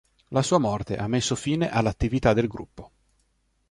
La sua morte ha messo fine all'attività del gruppo.